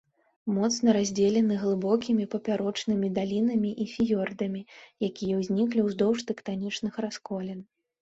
Моцна раздзелены глыбокімі папярочнымі далінамі і фіёрдамі, якія ўзніклі ўздоўж тэктанічных расколін.